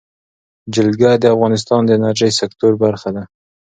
جلګه د افغانستان د انرژۍ سکتور برخه ده.